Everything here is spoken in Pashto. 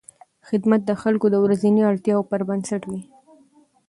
خدمت د خلکو د ورځنیو اړتیاوو پر بنسټ وي.